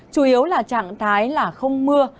chủ yếu là trạng thái là không mưa